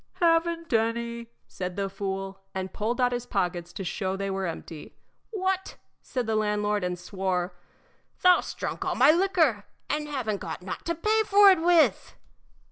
"Haven't any!" said the fool, and pulled out his pockets to show they were empty. "What!" said the landlord, and swore; "thou 'st drunk all my liquor and haven't got nought to pay for it with!"